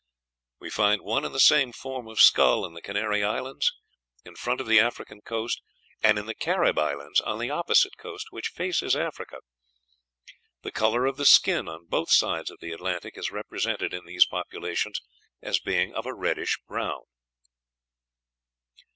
We find one and the same form of skull in the Canary Islands, in front of the African coast, and in the Carib Islands, on the opposite coast, which faces Africa. The color of the skin on both sides of the Atlantic is represented in these populations as being of a reddish brown."